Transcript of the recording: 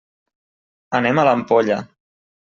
Anem a l'Ampolla.